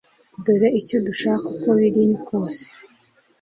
Dore icyo dushaka uko biri kose